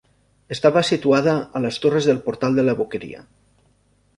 Estava situada a les torres del Portal de la Boqueria.